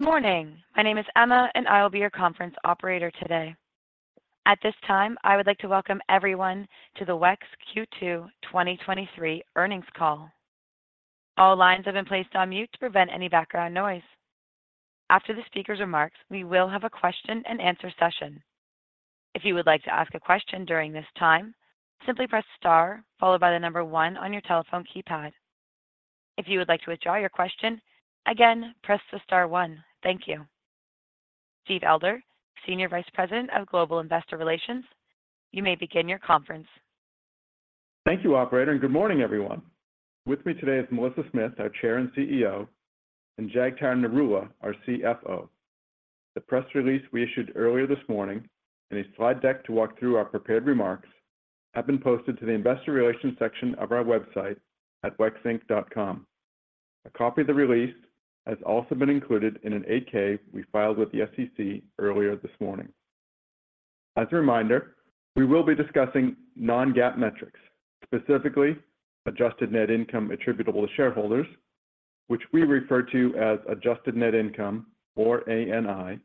Good morning. My name is Emma, and I will be your conference operator today. At this time, I would like to welcome everyone to the WEX Q2 2023 earnings call. All lines have been placed on mute to prevent any background noise. After the speaker's remarks, we will have a question-and-answer session. If you would like to ask a question during this time, simply press star followed by the number one on your telephone keypad. If you would like to withdraw your question, again, press the star one. Thank you. Steve Elder, Senior Vice President of Global Investor Relations, you may begin your conference. Thank you, operator, and good morning, everyone. With me today is Melissa Smith, our Chair and CEO, and Jagtar Narula, our CFO. The press release we issued earlier this morning, and a slide deck to walk through our prepared remarks, have been posted to the investor relations section of our website at wexinc.com. A copy of the release has also been included in an 8-K we filed with the SEC earlier this morning. As a reminder, we will be discussing non-GAAP metrics, specifically adjusted net income attributable to shareholders, which we refer to as adjusted net income or ANI,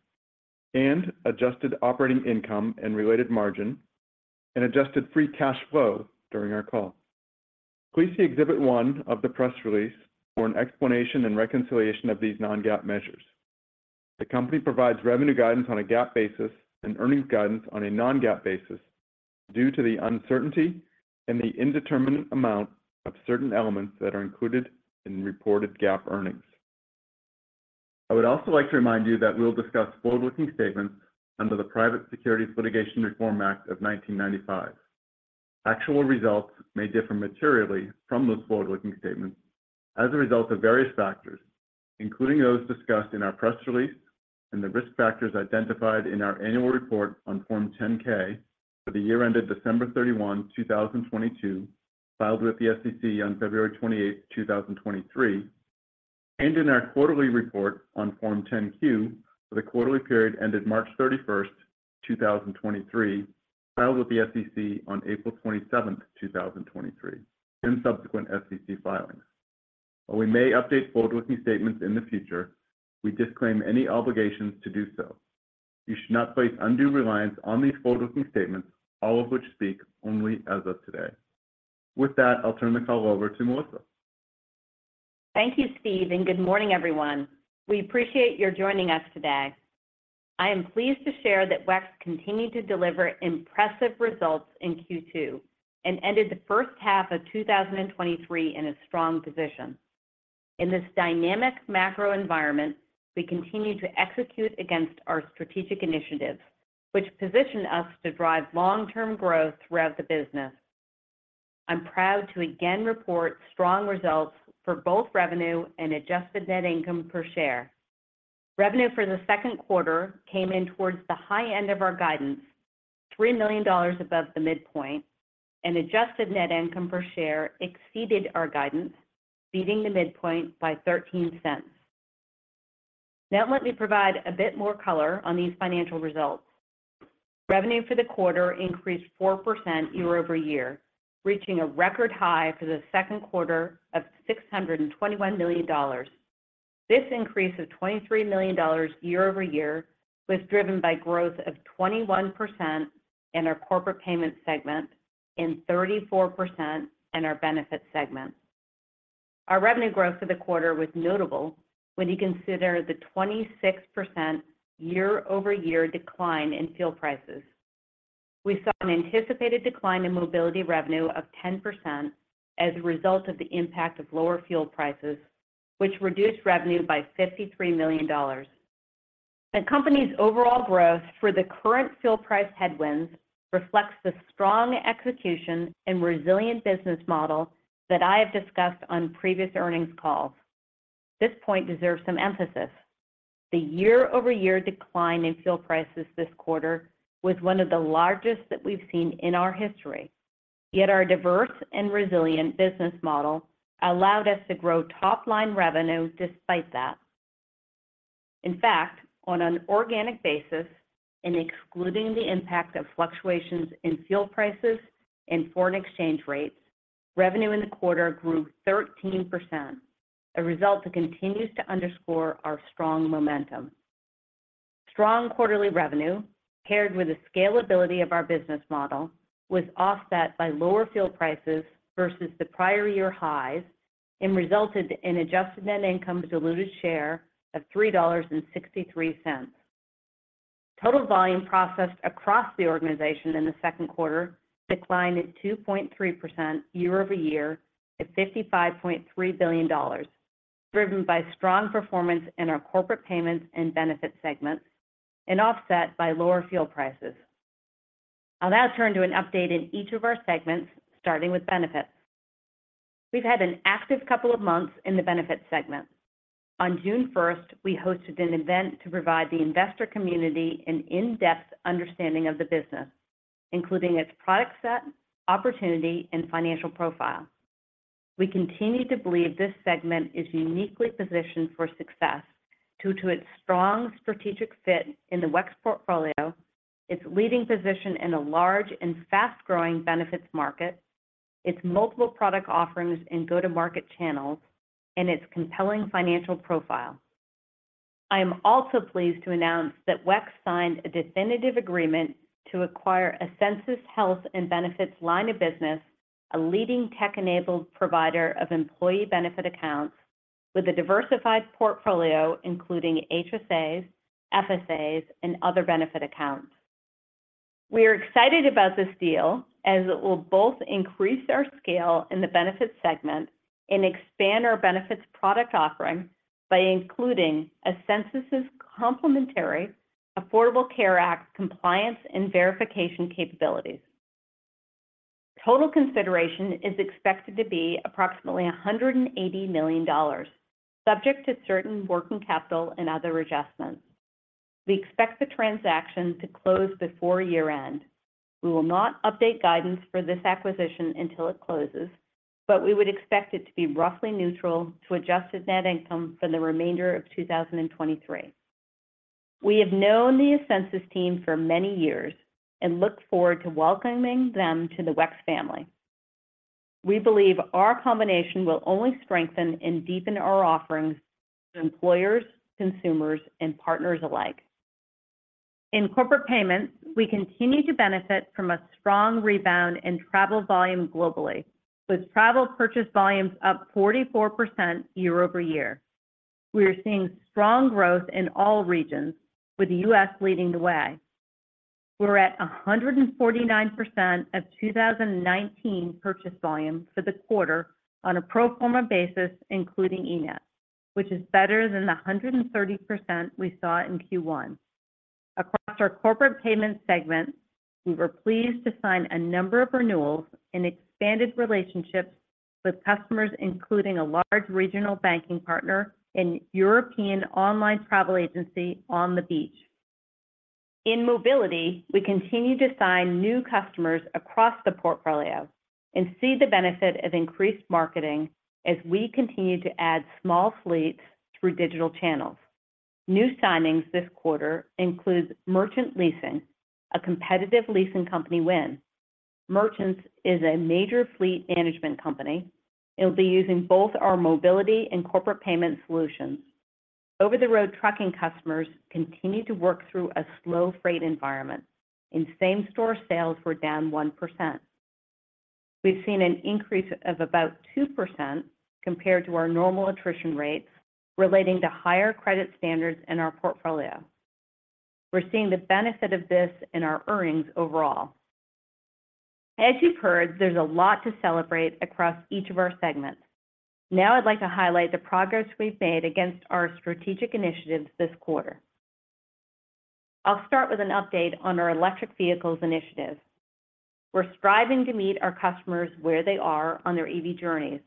and adjusted operating income and related margin, and adjusted free cash flow during our call. Please see Exhibit one of the press release for an explanation and reconciliation of these non-GAAP measures. The company provides revenue guidance on a GAAP basis and earnings guidance on a non-GAAP basis due to the uncertainty and the indeterminate amount of certain elements that are included in reported GAAP earnings. I would also like to remind you that we'll discuss forward-looking statements under the Private Securities Litigation Reform Act of 1995. Actual results may differ materially from those forward-looking statements as a result of various factors, including those discussed in our press release and the risk factors identified in our annual report on Form 10-K for the year ended December 31, 2022, filed with the SEC on February 28, 2023, and in our quarterly report on Form 10-Q for the quarterly period ended March 31, 2023, filed with the SEC on April 27, 2023, in subsequent SEC filings. While we may update forward-looking statements in the future, we disclaim any obligations to do so. You should not place undue reliance on these forward-looking statements, all of which speak only as of today. With that, I'll turn the call over to Melissa. Thank you, Steve. Good morning, everyone. We appreciate your joining us today. I am pleased to share that WEX continued to deliver impressive results in Q2 and ended the first half of 2023 in a strong position. In this dynamic macro environment, we continue to execute against our strategic initiatives, which position us to drive long-term growth throughout the business. I'm proud to again report strong results for both revenue and adjusted net income per share. Revenue for the second quarter came in towards the high end of our guidance, $3 million above the midpoint. Adjusted net income per share exceeded our guidance, beating the midpoint by $0.13. Let me provide a bit more color on these financial results. Revenue for the quarter increased 4% year-over-year, reaching a record high for Q2 of $621 million. This increase of $23 million year-over-year was driven by growth of 21% in our Corporate Payments segment and 34% in our Benefits segment. Our revenue growth for the quarter was notable when you consider the 26% year-over-year decline in fuel prices. We saw an anticipated decline in Mobility revenue of 10% as a result of the impact of lower fuel prices, which reduced revenue by $53 million. The company's overall growth for the current fuel price headwinds reflects the strong execution and resilient business model that I have discussed on previous earnings calls. This point deserves some emphasis. The year-over-year decline in fuel prices this quarter was one of the largest that we've seen in our history, yet our diverse and resilient business model allowed us to grow top-line revenue despite that. In fact, on an organic basis, excluding the impact of fluctuations in fuel prices and foreign exchange rates, revenue in the quarter grew 13%, a result that continues to underscore our strong momentum. Strong quarterly revenue, paired with the scalability of our business model, was offset by lower fuel prices versus the prior year highs and resulted in adjusted net income diluted share of $3.63. Total volume processed across the organization in the second quarter declined at 2.3% year-over-year to $55.3 billion, driven by strong performance in our Corporate Payments and Benefits segments and offset by lower fuel prices. I'll now turn to an update in each of our segments, starting with Benefits. We've had an active couple of months in the Benefits segment. On June first, we hosted an event to provide the investor community an in-depth understanding of the business, including its product set, opportunity, and financial profile. We continue to believe this segment is uniquely positioned for success due to its strong strategic fit in the WEX portfolio, its leading position in a large and fast-growing Benefits market, its multiple product offerings and go-to-market channels, and its compelling financial profile. I am also pleased to announce that WEX signed a definitive agreement to acquire Ascensus Health and Benefits line of business, a leading tech-enabled provider of employee benefit accounts with a diversified portfolio, including HSAs, FSAs, and other benefit accounts. We are excited about this deal, as it will both increase our scale in the Benefits segment and expand our benefits product offering by including Ascensus's complimentary Affordable Care Act compliance and verification capabilities. Total consideration is expected to be approximately $180 million, subject to certain working capital and other adjustments. We expect the transaction to close before year-end. We will not update guidance for this acquisition until it closes, but we would expect it to be roughly neutral to adjusted net income for the remainder of 2023. We have known the Ascensus team for many years and look forward to welcoming them to the WEX family. We believe our combination will only strengthen and deepen our offerings to employers, consumers, and partners alike. In Corporate Payments, we continue to benefit from a strong rebound in travel volume globally, with travel purchase volumes up 44% year-over-year. We are seeing strong growth in all regions, with the U.S. leading the way. We're at 149% of 2019 purchase volume for the quarter on a pro forma basis, including eNett, which is better than the 130% we saw in Q1. Across our Corporate Payments segment, we were pleased to sign a number of renewals and expanded relationships with customers, including a large regional banking partner and European online travel agency On the Beach. In Mobility, we continue to sign new customers across the portfolio and see the benefit of increased marketing as we continue to add small fleets through digital channels. New signings this quarter includes Merchants Fleet, a competitive leasing company win. Merchants is a major fleet management company. It'll be using both our Mobility and Corporate Payments solutions. Over-the-road trucking customers continue to work through a slow freight environment, and same-store sales were down 1%. We've seen an increase of about 2% compared to our normal attrition rates relating to higher credit standards in our portfolio. We're seeing the benefit of this in our earnings overall. As you've heard, there's a lot to celebrate across each of our segments. I'd like to highlight the progress we've made against our strategic initiatives this quarter. I'll start with an update on our electric vehicles initiative. We're striving to meet our customers where they are on their EV journeys.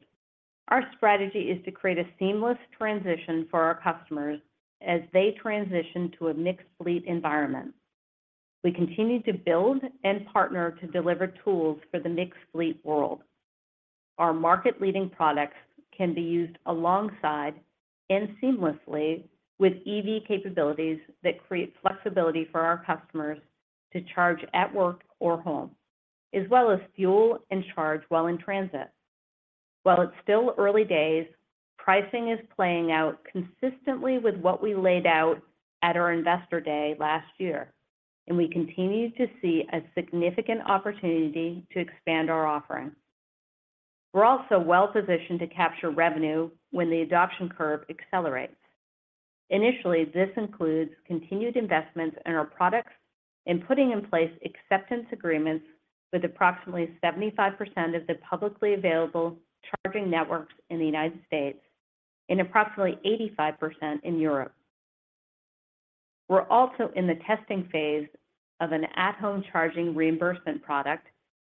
Our strategy is to create a seamless transition for our customers as they transition to a mixed fleet environment. We continue to build and partner to deliver tools for the mixed fleet world. Our market-leading products can be used alongside and seamlessly with EV capabilities that create flexibility for our customers to charge at work or home, as well as fuel and charge while in transit. While it's still early days, pricing is playing out consistently with what we laid out at our Investor Day last year. We continue to see a significant opportunity to expand our offering. Initially, this includes continued investments in our products and putting in place acceptance agreements with approximately 75% of the publicly available charging networks in the United States and approximately 85% in Europe. We're also in the testing phase of an at-home charging reimbursement product,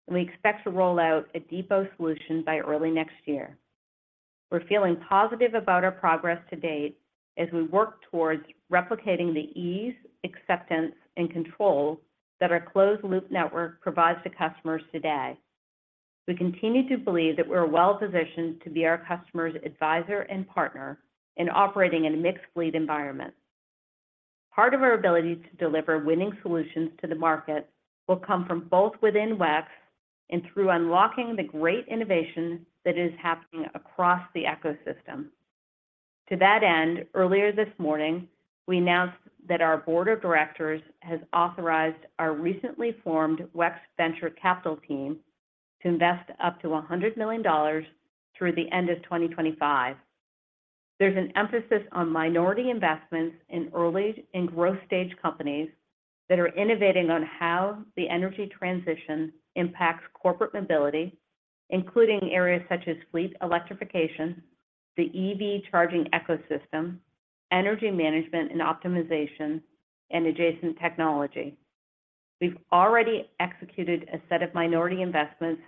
and we expect to roll out a depot solution by early next year. We're feeling positive about our progress to date as we work towards replicating the ease, acceptance, and control that our closed-loop network provides to customers today. We continue to believe that we're well positioned to be our customer's advisor and partner in operating in a mixed fleet environment. Part of our ability to deliver winning solutions to the market will come from both within WEX and through unlocking the great innovation that is happening across the ecosystem. To that end, earlier this morning, we announced that our board of directors has authorized our recently formed WEX Venture Capital team to invest up to $100 million through the end of 2025. There's an emphasis on minority investments in early and growth-stage companies that are innovating on how the energy transition impacts corporate mobility, including areas such as fleet electrification, the EV charging ecosystem, energy management and optimization, and adjacent technology. We've already executed a set of minority investments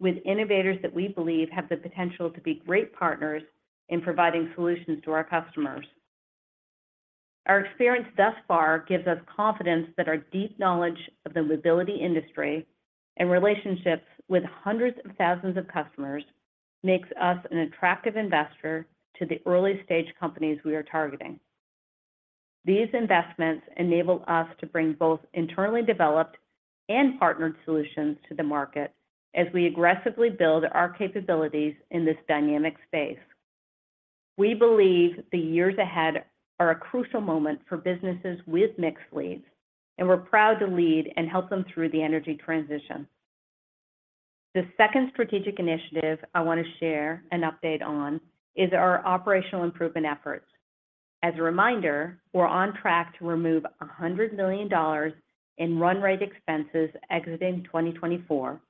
with innovators that we believe have the potential to be great partners in providing solutions to our customers. Our experience thus far gives us confidence that our deep knowledge of the mobility industry and relationships with hundreds of thousands of customers makes us an attractive investor to the early-stage companies we are targeting. These investments enable us to bring both internally developed and partnered solutions to the market as we aggressively build our capabilities in this dynamic space. We believe the years ahead are a crucial moment for businesses with mixed fleets, and we're proud to lead and help them through the energy transition. The second strategic initiative I want to share an update on is our operational improvement efforts. As a reminder, we're on track to remove $100 million in run rate expenses exiting 2024,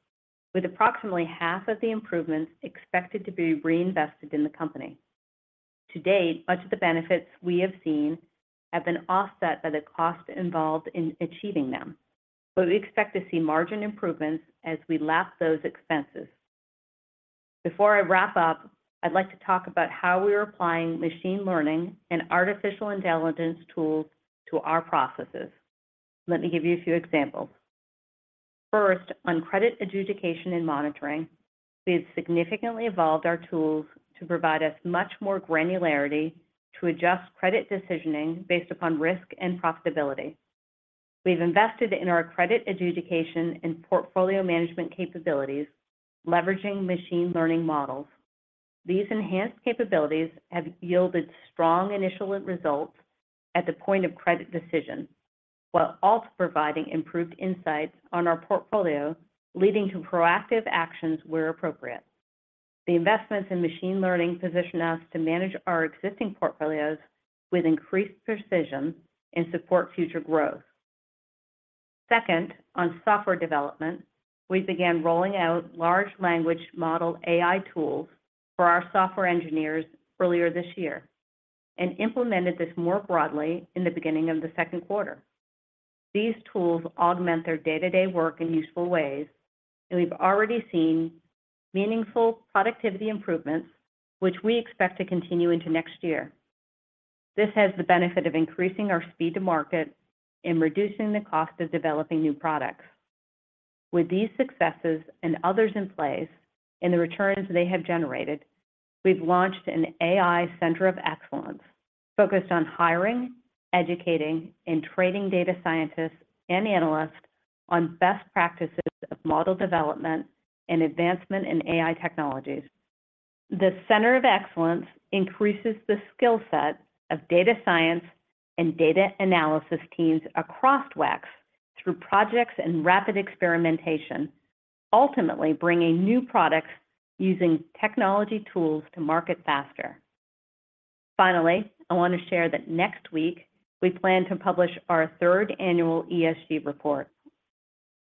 with approximately half of the improvements expected to be reinvested in the company. To date, much of the benefits we have seen have been offset by the cost involved in achieving them, we expect to see margin improvements as we lap those expenses. Before I wrap up, I'd like to talk about how we are applying machine learning and artificial intelligence tools to our processes. Let me give you a few examples. First, on credit adjudication and monitoring, we've significantly evolved our tools to provide us much more granularity to adjust credit decisioning based upon risk and profitability. We've invested in our credit adjudication and portfolio management capabilities, leveraging machine learning models. These enhanced capabilities have yielded strong initial results at the point of credit decision, while also providing improved insights on our portfolio, leading to proactive actions where appropriate. The investments in machine learning position us to manage our existing portfolios with increased precision and support future growth. Second, on software development, we began rolling out large language model AI tools for our software engineers earlier this year and implemented this more broadly in the beginning of the second quarter. These tools augment their day-to-day work in useful ways, and we've already seen meaningful productivity improvements, which we expect to continue into next year. This has the benefit of increasing our speed to market and reducing the cost of developing new products. With these successes and others in place, and the returns they have generated, we've launched an AI center of excellence focused on hiring, educating, and training data scientists and analysts on best practices of model development and advancement in AI technologies. The Center of Excellence increases the skill set of data science and data analysis teams across WEX through projects and rapid experimentation, ultimately bringing new products using technology tools to market faster. Finally, I want to share that next week, we plan to publish our third annual ESG report.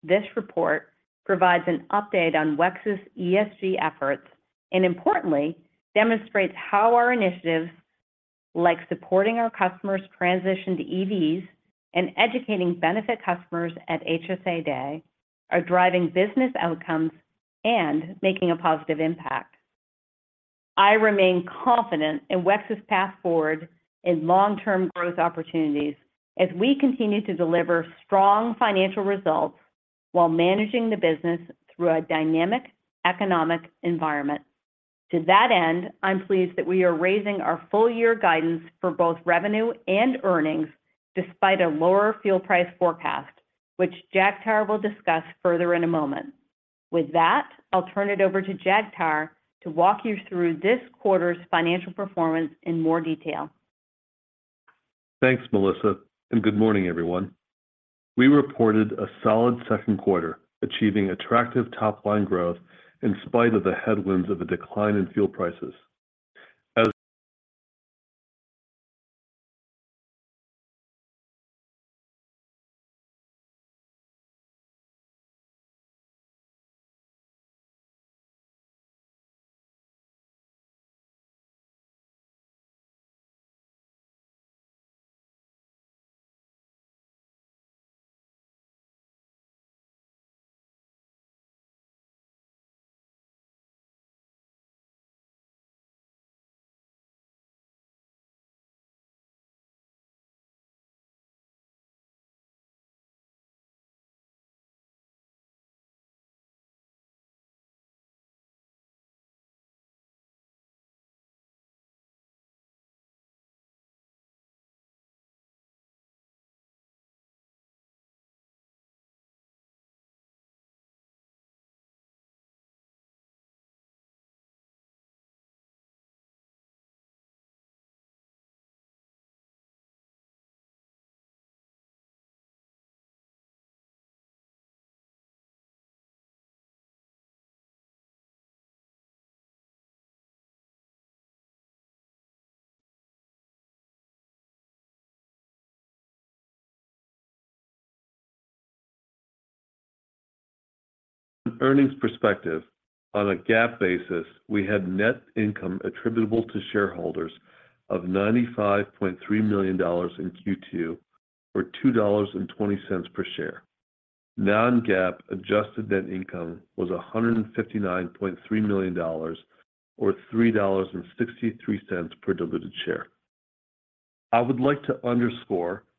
This report provides an update on WEX's ESG efforts and importantly, demonstrates how our initiatives, like supporting our customers' transition to EVs and educating benefit customers at HSA Day, are driving business outcomes and making a positive impact. I remain confident in WEX's path forward in long-term growth opportunities as we continue to deliver strong financial results while managing the business through a dynamic economic environment. To that end, I'm pleased that we are raising our full year guidance for both revenue and earnings, despite a lower fuel price forecast, which Jagtar will discuss further in a moment. With that, I'll turn it over to Jagtar to walk you through this quarter's financial performance in more detail. Thanks, Melissa. Good morning, everyone. We reported a solid second quarter, achieving attractive top-line growth in spite of the headwinds of a decline in fuel prices.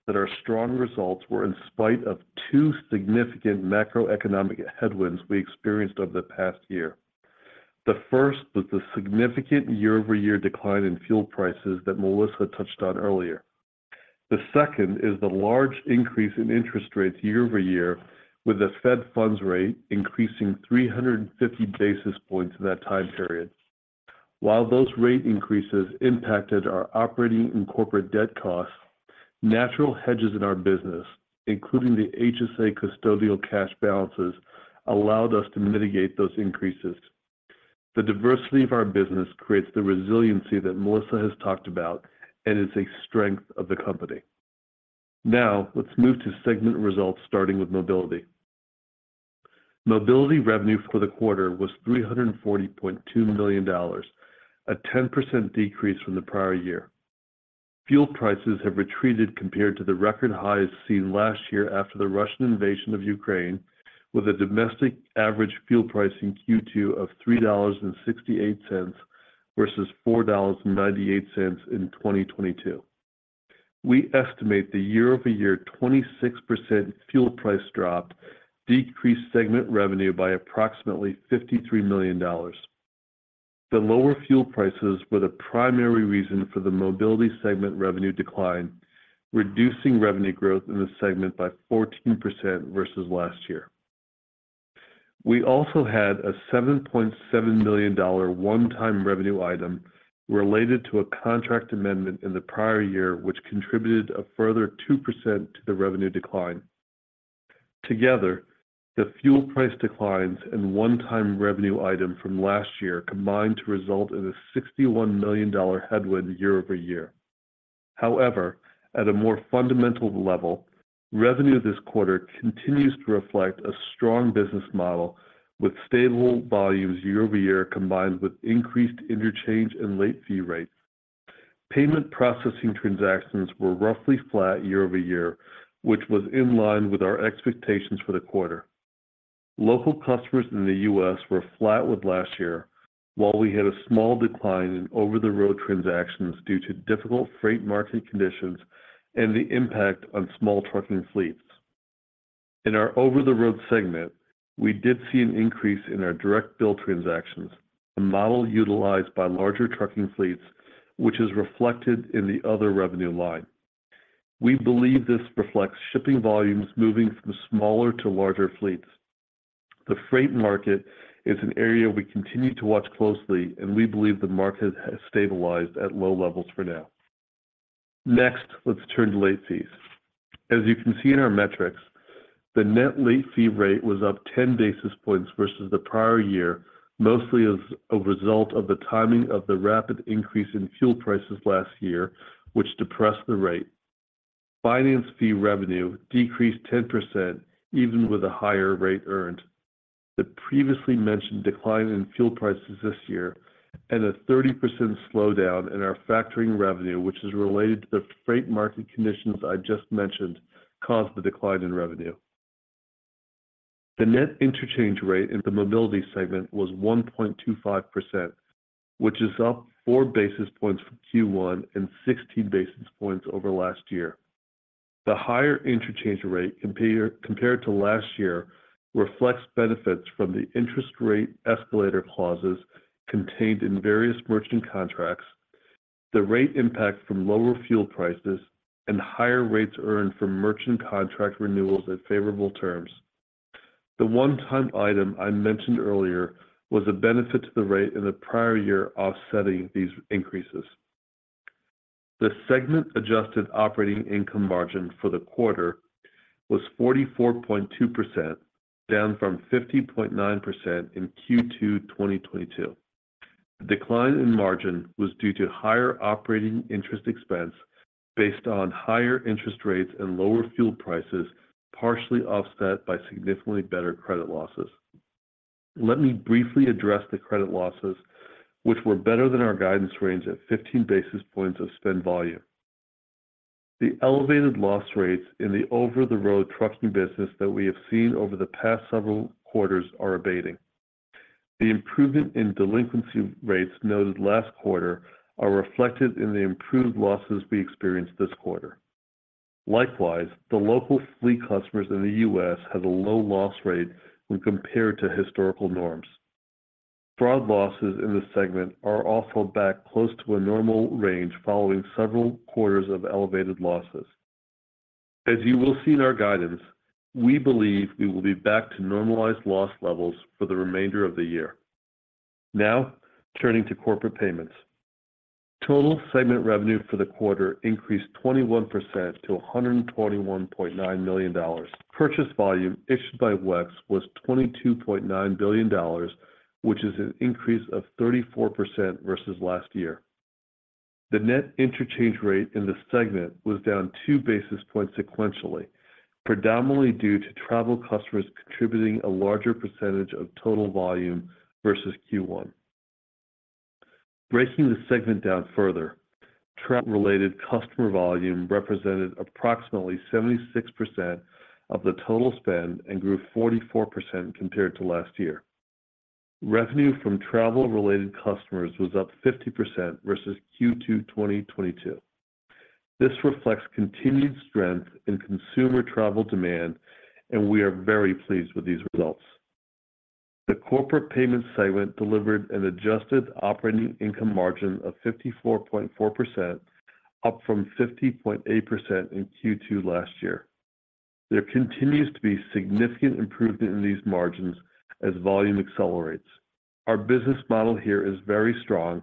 The first was the significant year-over-year decline in fuel prices that Melissa touched on earlier. The second is the large increase in interest rates year-over-year, with the Fed funds rate increasing 350 basis points in that time period. While those rate increases impacted our operating and corporate debt costs, natural hedges in our business, including the HSA custodial cash balances, allowed us to mitigate those increases. The diversity of our business creates the resiliency that Melissa has talked about and is a strength of the company. Let's move to segment results, starting with Mobility. Mobility revenue for the quarter was $340.2 million, a 10% decrease from the prior year. Fuel prices have retreated compared to the record highs seen last year after the Russian invasion of Ukraine, with a domestic average fuel price in Q2 of $3.68 versus $4.98 in 2022. We estimate the year-over-year 26% fuel price drop decreased segment revenue by approximately $53 million. The lower fuel prices were the primary reason for the Mobility segment revenue decline, reducing revenue growth in the segment by 14% versus last year. We also had a $7.7 million one-time revenue item related to a contract amendment in the prior year, which contributed a further 2% to the revenue decline. Together, the fuel price declines and one-time revenue item from last year combined to result in a $61 million headwind year-over-year. At a more fundamental level, revenue this quarter continues to reflect a strong business model with stable volumes year-over-year, combined with increased interchange and late fee rates. Payment processing transactions were roughly flat year-over-year, which was in line with our expectations for the quarter. Local customers in the U.S. were flat with last year, while we had a small decline in over-the-road transactions due to difficult freight market conditions and the impact on small trucking fleets. In our over-the-road segment, we did see an increase in our direct bill transactions, a model utilized by larger trucking fleets, which is reflected in the other revenue line. We believe this reflects shipping volumes moving from smaller to larger fleets. The freight market is an area we continue to watch closely, and we believe the market has stabilized at low levels for now. Next, let's turn to late fees. As you can see in our metrics, the net late fee rate was up 10 basis points versus the prior year, mostly as a result of the timing of the rapid increase in fuel prices last year, which depressed the rate. Finance fee revenue decreased 10%, even with a higher rate earned. The previously mentioned decline in fuel prices this year and a 30% slowdown in our factoring revenue, which is related to the freight market conditions I just mentioned, caused the decline in revenue. The net interchange rate in the Mobility segment was 1.25%, which is up 4 basis points from Q1 and 16 basis points over last year. The higher interchange rate compared to last year reflects benefits from the interest rate escalator clauses contained in various merchant contracts, the rate impact from lower fuel prices, and higher rates earned from merchant contract renewals at favorable terms. The one-time item I mentioned earlier was a benefit to the rate in the prior year, offsetting these increases. The segment's adjusted operating income margin for the quarter was 44.2%, down from 50.9% in Q2 2022. The decline in margin was due to higher operating interest expense based on higher interest rates and lower fuel prices, partially offset by significantly better credit losses. Let me briefly address the credit losses, which were better than our guidance range at 15 basis points of spend volume. The elevated loss rates in the over-the-road trucking business that we have seen over the past several quarters are abating. The improvement in delinquency rates noted last quarter are reflected in the improved losses we experienced this quarter. Likewise, the local fleet customers in the U.S. had a low loss rate when compared to historical norms. Fraud losses in this segment are also back close to a normal range following several quarters of elevated losses. As you will see in our guidance, we believe we will be back to normalized loss levels for the remainder of the year. Turning to Corporate Payments. Total segment revenue for the quarter increased 21% to $121.9 million. Purchase volume issued by WEX was $22.9 billion, which is an increase of 34% versus last year. The net interchange rate in the segment was down 2 basis points sequentially, predominantly due to travel customers contributing a larger percentage of total volume versus Q1. Breaking the segment down further, travel-related customer volume represented approximately 76% of the total spend and grew 44% compared to last year. Revenue from travel-related customers was up 50% versus Q2 2022. This reflects continued strength in consumer travel demand, and we are very pleased with these results. The Corporate Payments segment delivered an adjusted operating income margin of 54.4%, up from 50.8% in Q2 last year. There continues to be significant improvement in these margins as volume accelerates. Our business model here is very strong,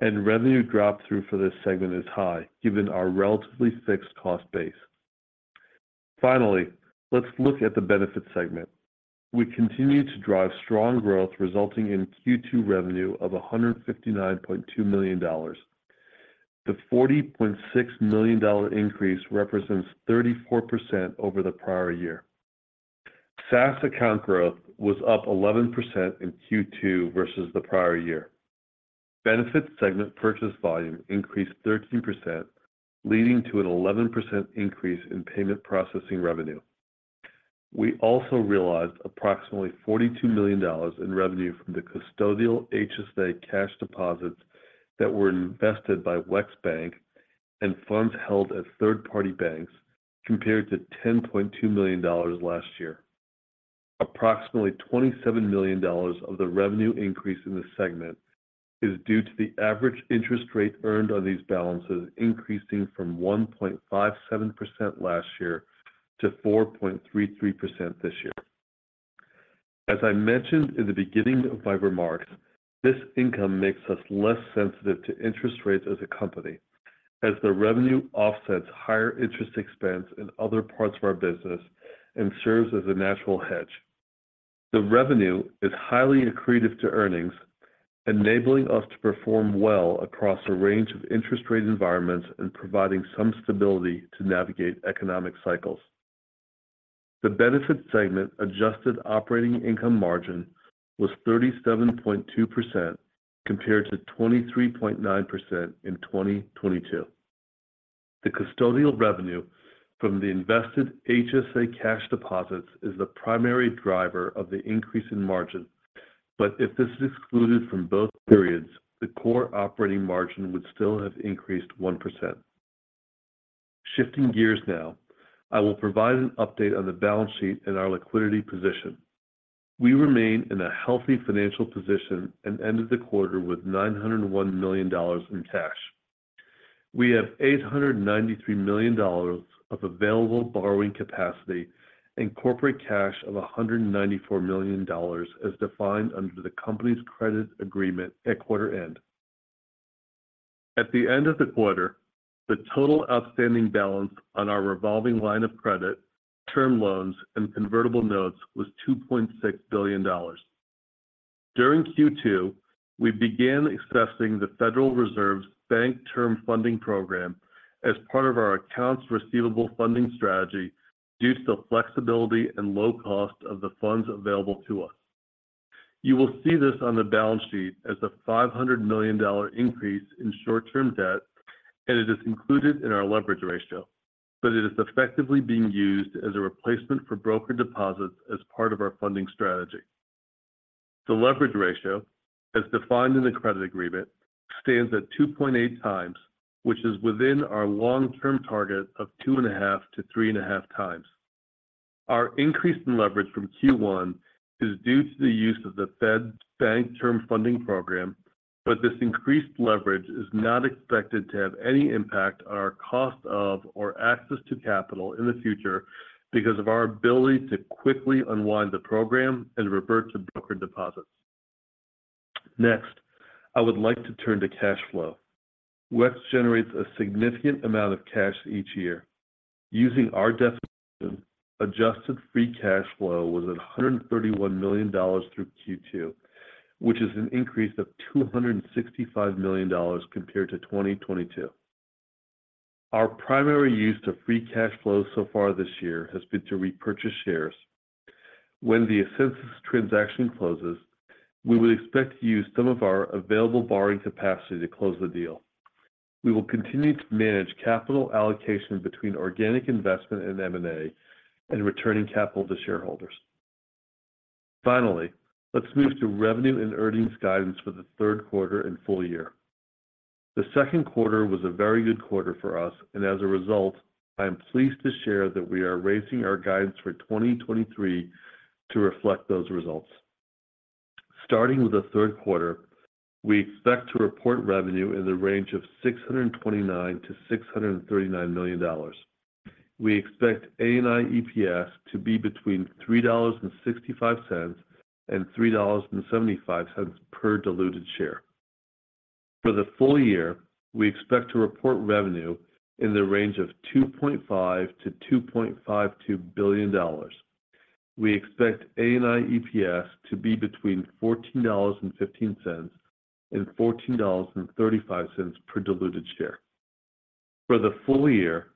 and revenue drop-through for this segment is high, given our relatively fixed cost base. Finally, let's look at the Benefits segment. We continue to drive strong growth, resulting in Q2 revenue of $159.2 million. The $40.6 million increase represents 34% over the prior year. SaaS account growth was up 11% in Q2 versus the prior year. Benefits segment purchase volume increased 13%, leading to an 11% increase in payment processing revenue. We also realized approximately $42 million in revenue from the custodial HSA cash deposits that were invested by WEX Bank and funds held at third-party banks, compared to $10.2 million last year. Approximately $27 million of the revenue increase in this segment is due to the average interest rate earned on these balances, increasing from 1.57% last year to 4.33% this year. As I mentioned in the beginning of my remarks, this income makes us less sensitive to interest rates as a company, as the revenue offsets higher interest expense in other parts of our business and serves as a natural hedge. The revenue is highly accretive to earnings, enabling us to perform well across a range of interest rate environments and providing some stability to navigate economic cycles. The Benefits segment adjusted operating income margin was 37.2%, compared to 23.9% in 2022. The custodial revenue from the invested HSA cash deposits is the primary driver of the increase in margin, if this is excluded from both periods, the core operating margin would still have increased 1%. Shifting gears now, I will provide an update on the balance sheet and our liquidity position. We remain in a healthy financial position and ended the quarter with $901 million in cash. We have $893 million of available borrowing capacity and corporate cash of $194 million, as defined under the company's credit agreement at quarter end. At the end of the quarter, the total outstanding balance on our revolving line of credit, term loans, and convertible notes was $2.6 billion. During Q2, we began assessing the Federal Reserve's Bank Term Funding Program as part of our accounts receivable funding strategy due to the flexibility and low cost of the funds available to us. You will see this on the balance sheet as a $500 million increase in short-term debt, and it is included in our leverage ratio, but it is effectively being used as a replacement for broker deposits as part of our funding strategy. The leverage ratio, as defined in the credit agreement, stands at 2.8 times, which is within our long-term target of 2.5-3.5 times. Our increase in leverage from Q1 is due to the use of the Fed's Bank Term Funding Program, this increased leverage is not expected to have any impact on our cost of or access to capital in the future because of our ability to quickly unwind the program and revert to broker deposits. I would like to turn to cash flow. WEX generates a significant amount of cash each year. Using our definition, adjusted free cash flow was at $131 million through Q2, which is an increase of $265 million compared to 2022. Our primary use of free cash flow so far this year has been to repurchase shares. When the Ascensus transaction closes, we will expect to use some of our available borrowing capacity to close the deal. We will continue to manage capital allocation between organic investment and M&A and returning capital to shareholders. Let's move to revenue and earnings guidance for the third quarter and full year. The second quarter was a very good quarter for us, and as a result, I am pleased to share that we are raising our guidance for 2023 to reflect those results. Starting with the third quarter, we expect to report revenue in the range of $629 million-$639 million. We expect ANI EPS to be between $3.65 and $3.75 per diluted share. For the full year, we expect to report revenue in the range of $2.5 billion-$2.52 billion. We expect ANI EPS to be between $14.15 and $14.35 per diluted share. For the full year,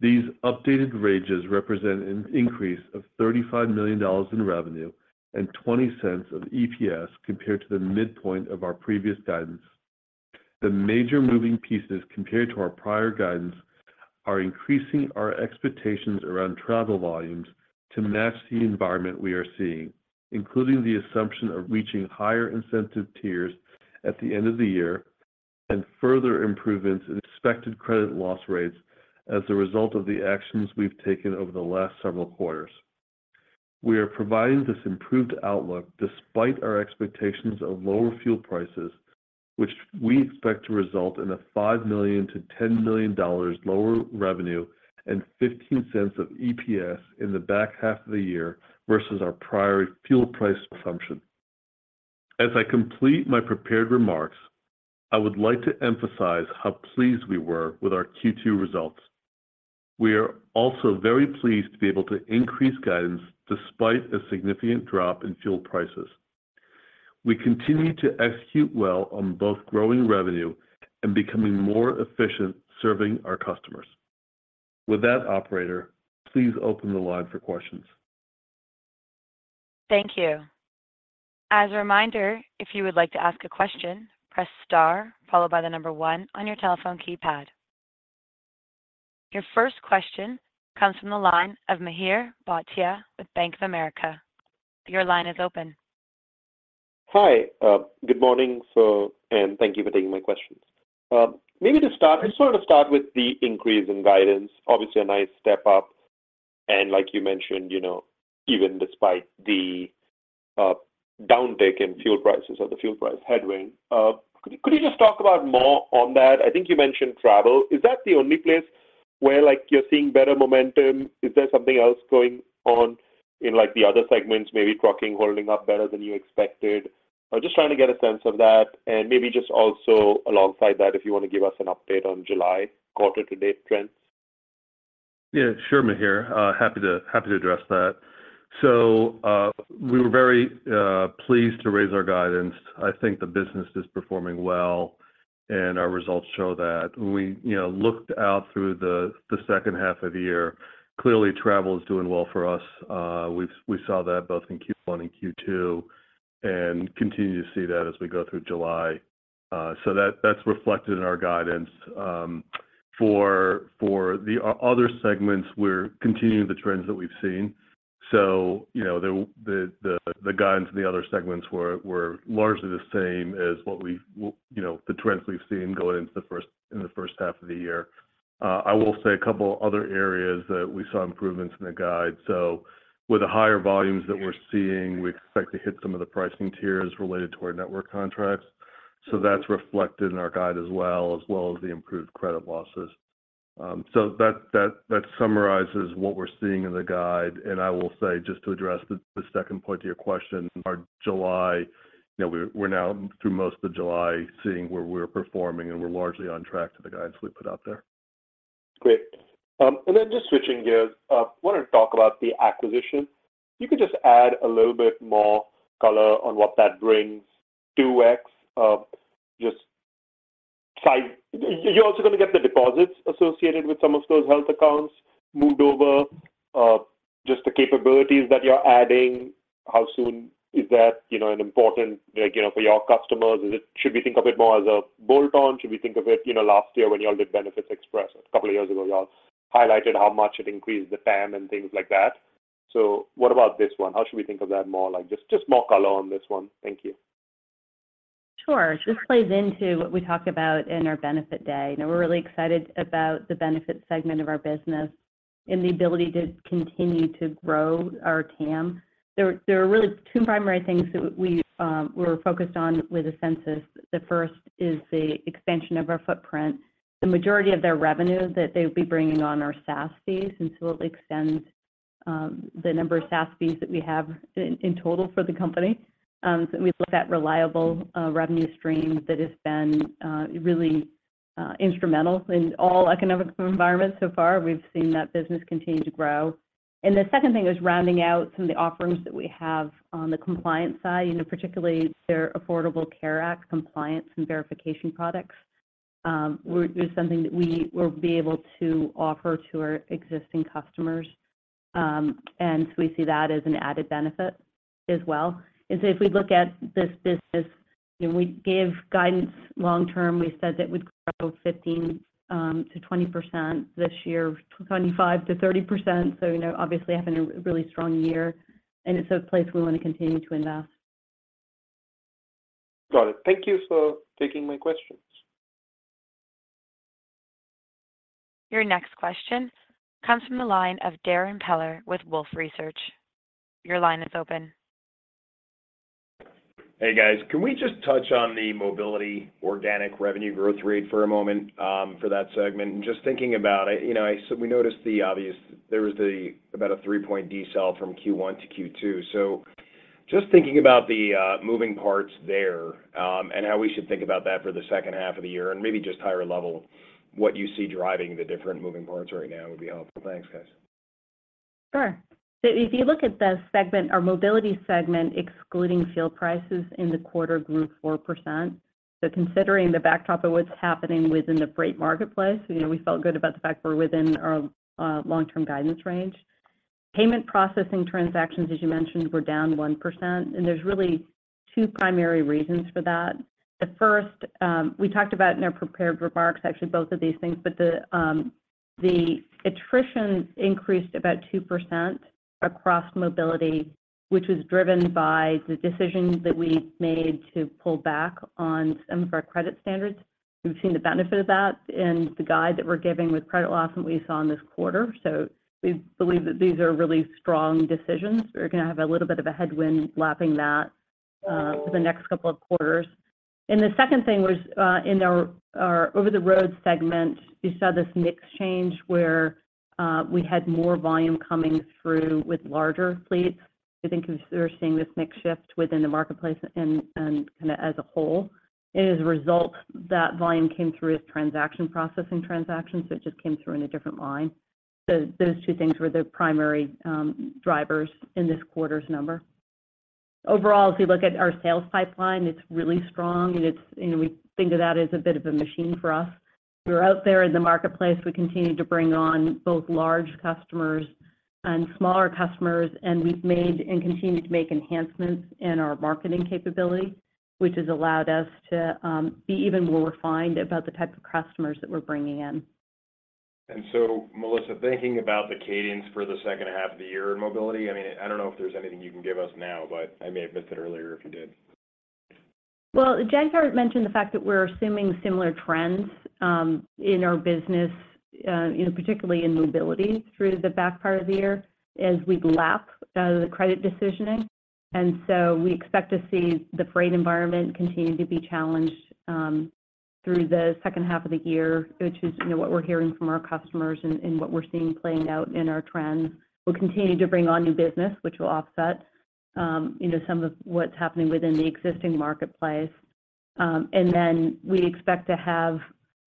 these updated ranges represent an increase of $35 million in revenue and $0.20 of EPS compared to the midpoint of our previous guidance. The major moving pieces compared to our prior guidance are increasing our expectations around travel volumes to match the environment we are seeing, including the assumption of reaching higher incentive tiers at the end of the year, and further improvements in expected credit loss rates as a result of the actions we've taken over the last several quarters. We are providing this improved outlook despite our expectations of lower fuel prices, which we expect to result in a $5 million-$10 million lower revenue, and $0.15 of EPS in the back half of the year versus our prior fuel price assumption. As I complete my prepared remarks, I would like to emphasize how pleased we were with our Q2 results. We are also very pleased to be able to increase guidance despite a significant drop in fuel prices. We continue to execute well on both growing revenue and becoming more efficient serving our customers. Operator, please open the line for questions. Thank you. As a reminder, if you would like to ask a question, press star followed by the number one on your telephone keypad. Your first question comes from the line of Mihir Bhatia with Bank of America. Your line is open. Hi. Good morning, thank you for taking my questions. Maybe to start, just sort of start with the increase in guidance. Obviously, a nice step up, and like you mentioned, you know, even despite the downtick in fuel prices or the fuel price headwind. Could you just talk about more on that? I think you mentioned travel. Is that the only place where, like, you're seeing better momentum? Is there something else going on in, like, the other segments, maybe trucking holding up better than you expected? I'm just trying to get a sense of that, and maybe just also alongside that, if you want to give us an update on July quarter-to-date trends. Yeah, sure, Mihir. happy to address that. We were very pleased to raise our guidance. I think the business is performing well, and our results show that. When we, you know, looked out through the second half of the year, clearly, travel is doing well for us. We saw that both in Q1 and Q2, and continue to see that as we go through July. That's reflected in our guidance. For the other segments, we're continuing the trends that we've seen. You know, the guidance in the other segments were largely the same as what we, you know, the trends we've seen in the first half of the year. I will say a couple other areas that we saw improvements in the guide. With the higher volumes that we're seeing, we expect to hit some of the pricing tiers related to our network contracts, so that's reflected in our guide as well, as well as the improved credit losses. That summarizes what we're seeing in the guide. I will say, just to address the second point to your question, our July, you know, we're now through most of July, seeing where we're performing, and we're largely on track to the guidance we put out there. Great. Just switching gears, wanted to talk about the acquisition. If you could just add a little bit more color on what that brings to WEX? Just size. You're also going to get the deposits associated with some of those health accounts moved over. Just the capabilities that you're adding, how soon is that, you know, an important, like, you know, for your customers? Should we think of it more as a bolt-on? Should we think of it, you know, last year, when y'all did benefitexpress, a couple of years ago, y'all highlighted how much it increased the TAM and things like that. What about this one? How should we think of that more? Just more color on this one. Thank you. Sure. This plays into what we talked about in our Benefit Day. You know, we're really excited about the Benefits segment of our business and the ability to continue to grow our TAM. There were really two primary things that we're focused on with Ascensus. The first is the expansion of our footprint. The majority of their revenue that they would be bringing on are SaaS fees, it extends the number of SaaS fees that we have in total for the company. We look at reliable revenue stream that has been really instrumental in all economic environments. So far, we've seen that business continue to grow. The second thing is rounding out some of the offerings that we have on the compliance side, you know, particularly their Affordable Care Act compliance and verification products. was something that we will be able to offer to our existing customers, and so we see that as an added benefit as well. If we look at this business, you know, we give guidance long term. We said that would grow 15%-20% this year, 25%-30%, so you know, obviously, having a, a really strong year, and it's a place we want to continue to invest. Got it. Thank you for taking my questions. Your next question comes from the line of Darrin Peller with Wolfe Research. Your line is open. Hey, guys. Can we just touch on the Mobility organic revenue growth rate for a moment for that segment? just thinking about it, you know, we noticed the obvious there was about a 3-point decel from Q1 to Q2. just thinking about the moving parts there, and how we should think about that for the second half of the year, and maybe just higher level, what you see driving the different moving parts right now would be helpful. Thanks, guys. Sure. If you look at the segment, our Mobility segment, excluding fuel prices in the quarter, grew 4%. Considering the backdrop of what's happening within the freight marketplace, you know, we felt good about the fact we're within our long-term guidance range. Payment processing transactions, as you mentioned, were down 1%, and there's two primary reasons for that. The first, we talked about in our prepared remarks, actually, both of these things, but the attrition increased about 2% across Mobility, which was driven by the decisions that we made to pull back on some of our credit standards. We've seen the benefit of that in the guide that we're giving with credit loss that we saw in this quarter. We believe that these are really strong decisions. We're gonna have a little bit of a headwind lapping that for the next couple of quarters. The second thing was, in our over-the-road segment, we saw this mix change where, we had more volume coming through with larger fleets. I think we're seeing this mix shift within the marketplace and, and kind of as a whole. As a result, that volume came through as transaction processing transactions, so it just came through in a different line. Those two things were the primary drivers in this quarter's number. Overall, as we look at our sales pipeline, it's really strong, and we think of that as a bit of a machine for us. We're out there in the marketplace. We continue to bring on both large customers and smaller customers, and we've made and continue to make enhancements in our marketing capability, which has allowed us to be even more refined about the type of customers that we're bringing in. Melissa, thinking about the cadence for the second half of the year in Mobility, I mean, I don't know if there's anything you can give us now, but I may have missed it earlier if you did? Well, Jack mentioned the fact that we're assuming similar trends, in our business, you know, particularly in Mobility through the back part of the year as we lap the credit decisioning. We expect to see the freight environment continue to be challenged through the second half of the year, which is, you know, what we're hearing from our customers and, and what we're seeing playing out in our trends. We'll continue to bring on new business, which will offset, you know, some of what's happening within the existing marketplace. We expect to have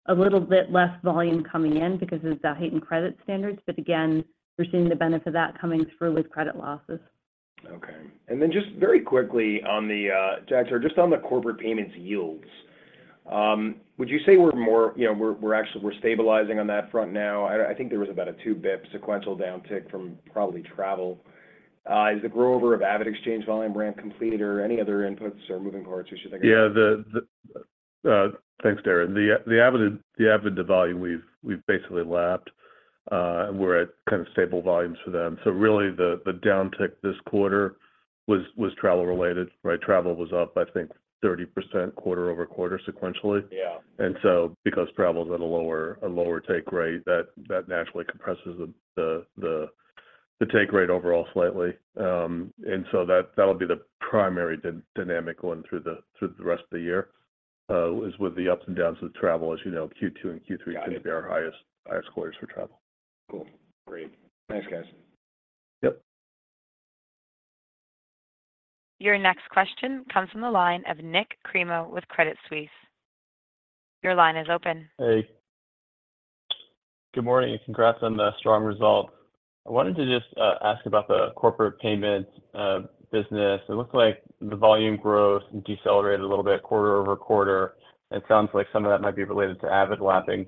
a little bit less volume coming in because of the heightened credit standards, but again, we're seeing the benefit of that coming through with credit losses. Okay. Then just very quickly on the Jagtar, sorry, just on the Corporate Payments yields, would you say we're actually we're stabilizing on that front now? I think there was about a 2 basis points sequential downtick from probably travel. Is the grow over of AvidXchange volume ramp complete or any other inputs or moving parts we should think about? Yeah, Thanks, Darrin. The Avid volume we've basically lapped, and we're at kind of stable volumes for them. Really the downtick this quarter was travel related, right? Travel was up, I think, 30% quarter-over-quarter sequentially. Yeah. Because travel is at a lower take rate, that naturally compresses the take rate overall slightly. That, that'll be the primary dynamic going through the rest of the year, is with the ups and downs of travel. As you know, Q2 and Q3- Got it. Are going to be our highest, highest quarters for travel. Cool. Great. Thanks, guys. Yep. Your next question comes from the line of Nik Cremo with Credit Suisse. Your line is open. Hey. Good morning, congrats on the strong result. I wanted to just ask about the Corporate Payments business. It looks like the volume growth decelerated a little bit quarter-over-quarter. It sounds like some of that might be related to Avid lapping.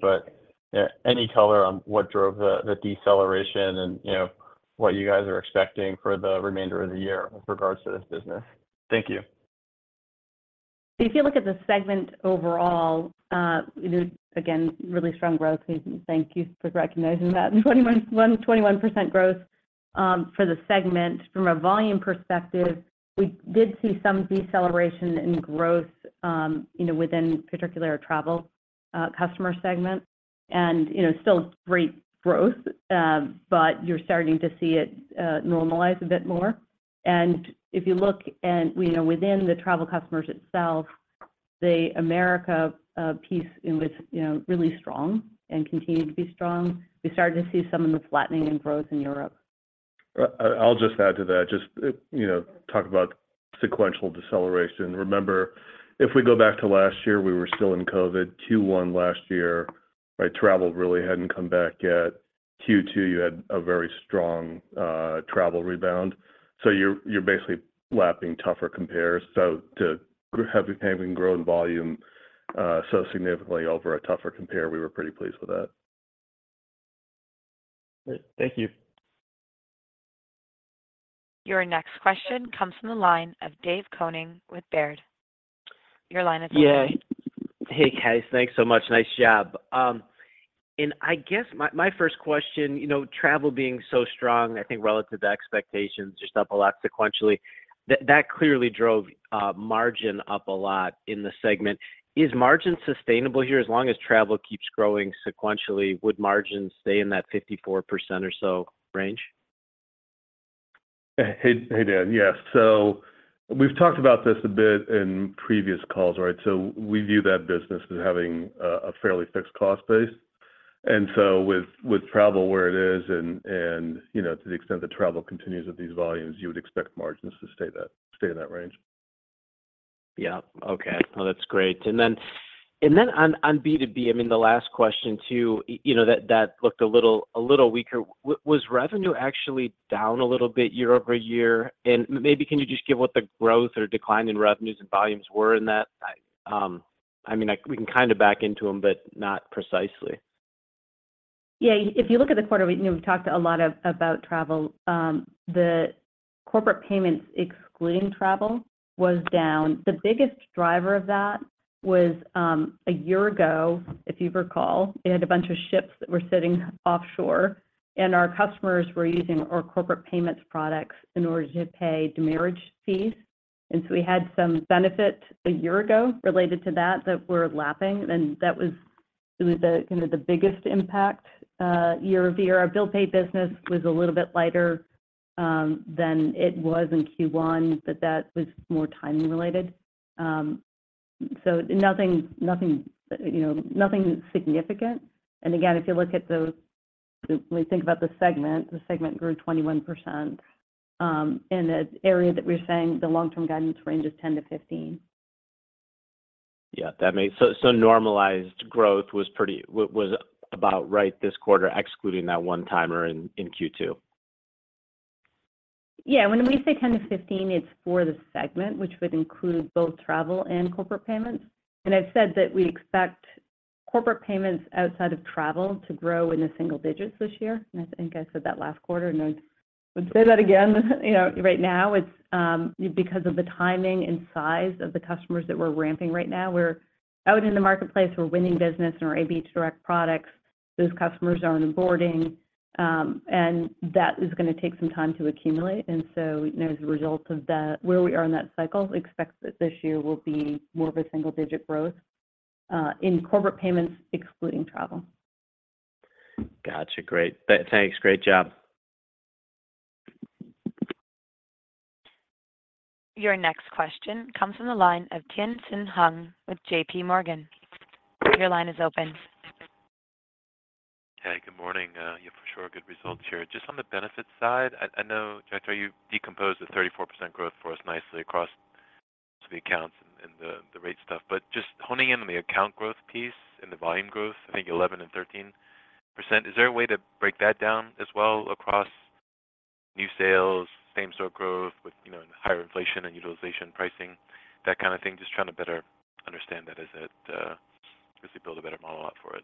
Any color on what drove the deceleration and, you know, what you guys are expecting for the remainder of the year with regards to this business? Thank you. If you look at the segment overall, it is again, really strong growth. We thank you for recognizing that. 21% growth for the segment. From a volume perspective, we did see some deceleration in growth, you know, within particular travel customer segment. You know, still great growth, but you're starting to see it normalize a bit more. If you look at, you know, within the travel customers itself, the America piece, it was, you know, really strong and continued to be strong. We started to see some of the flattening in growth in Europe. I'll just add to that, you know, talk about sequential deceleration. Remember, if we go back to last year, we were still in COVID. Q1 last year, right, travel really hadn't come back yet. Q2, you had a very strong travel rebound. You're, you're basically lapping tougher compares. To have we can grow in volume so significantly over a tougher compare, we were pretty pleased with that. Great. Thank you. Your next question comes from the line of Dave Koning with Baird. Your line is open. Yeah. Hey, guys. Thanks so much. Nice job. I guess my first question, you know, travel being so strong, I think relative to expectations, you're up a lot sequentially. That clearly drove margin up a lot in the segment. Is margin sustainable here? As long as travel keeps growing sequentially, would margins stay in that 54% or so range? Hey, Dave. Yes. We've talked about this a bit in previous calls, right? We view that business as having a fairly fixed cost base. With travel where it is, and, you know, to the extent that travel continues at these volumes, you would expect margins to stay in that range. Yeah. Okay. Well, that's great. Then on B2B, I mean, the last question too, you know, that looked a little weaker. Was revenue actually down a little bit year-over-year? Maybe can you just give what the growth or decline in revenues and volumes were in that? I mean, we can kind of back into them, but not precisely. Yeah, if you look at the quarter, we, you know, we've talked a lot about travel. The corporate payments excluding travel was down. The biggest driver of that was a year ago, if you recall, they had a bunch of ships that were sitting offshore, and our customers were using our corporate payments products in order to pay demurrage fees. We had some benefit a year ago related to that, that we're lapping, and that was the kind of the biggest impact year-over-year. Our bill pay business was a little bit lighter than it was in Q1, but that was more timing related. Nothing, you know, nothing significant. Again, if you look at when we think about the segment, the segment grew 21%, in the area that we're saying the long-term guidance range is 10-15. So normalized growth was pretty was about right this quarter, excluding that one-timer in, in Q2? Yeah, when we say 10-15, it's for the segment, which would include both travel and Corporate Payments. I've said that we expect Corporate Payments outside of travel to grow in the single digits this year. I think I said that last quarter, and I would say that again. You know, right now it's because of the timing and size of the customers that we're ramping right now. We're out in the marketplace, we're winning business in our AB direct products. Those customers are onboarding, and that is gonna take some time to accumulate. As a result of that, where we are in that cycle, we expect that this year will be more of a single-digit growth in Corporate Payments, excluding travel. Gotcha. Great. thanks. Great job. Your next question comes from the line of Tien-Tsin Huang with JPMorgan. Your line is open. Hey, good morning. For sure, good results here. Just on the Benefits side, I, I know, Jackie, you decomposed the 34% growth for us nicely across the accounts and the, the rate stuff, but just honing in on the account growth piece and the volume growth, I think 11% and 13%, is there a way to break that down as well across new sales, same-store growth with, you know, higher inflation and utilization pricing, that kind of thing? Just trying to better understand that as it, as we build a better model out for it.